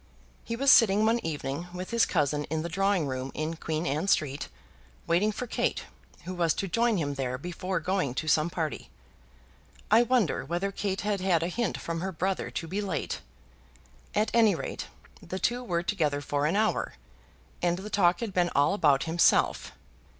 He was sitting one evening with his cousin in the drawing room in Queen Anne Street, waiting for Kate, who was to join him there before going to some party. I wonder whether Kate had had a hint from her brother to be late! At any rate, the two were together for an hour, and the talk had been all about himself.